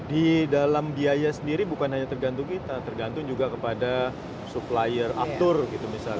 di dalam biaya sendiri bukan hanya tergantung kita tergantung juga kepada supplier aftur gitu misalnya